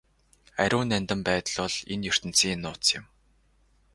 Ариун нандин байдал бол энэ ертөнцийн нууц юм.